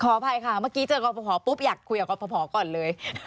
อภัยค่ะเมื่อกี้เจอกรปภปุ๊บอยากคุยกับกรพก่อนเลย